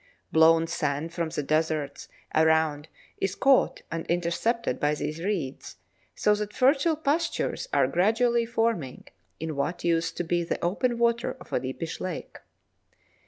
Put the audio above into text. Blown sand from the deserts around is caught and intercepted by these reeds, so that fertile pastures are gradually forming in what used to be the open water of a deepish lake.